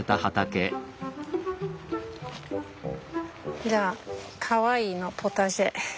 じゃあかわいいのポタジェ。